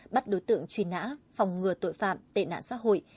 bắt đối tượng truy nã phòng ngừa tội phạm tệ nạn xã hội